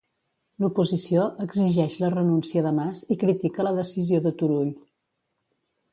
L'oposició exigeix la renúncia de Mas i critica la decisió de Turull.